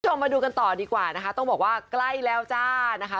ผู้ชมมาดูกันต่อดีกว่าต้องบอกว่าใกล้แล้วจ้า